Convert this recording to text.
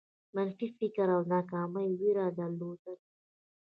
منفي فکر کول او د ناکامۍ وېره درلودل.